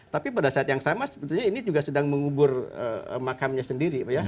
tapi pada saat yang sama sebetulnya ini juga sedang mengubur makamnya sendiri